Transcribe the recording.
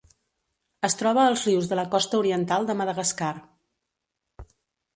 Es troba als rius de la costa oriental de Madagascar.